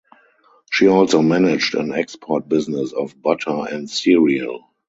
She also managed an export business of butter and cereal.